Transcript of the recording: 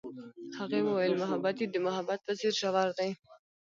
هغې وویل محبت یې د محبت په څېر ژور دی.